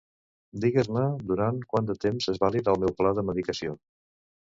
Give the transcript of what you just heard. Digues-me durant quant de temps és vàlid el meu pla de medicació.